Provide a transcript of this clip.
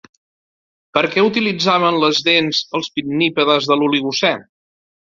Per a què utilitzaven les dents els pinnípedes de l'Oligocè?